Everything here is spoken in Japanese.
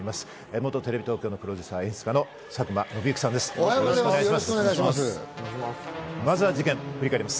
元テレビ東京プロデューサーで演出家の佐久間宣行さんです。